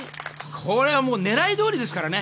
これは狙いどおりですからね。